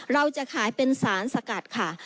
เราจะขายเป็นสารสกัดค่ะ